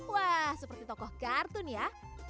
wah seperti tokoh kartun ya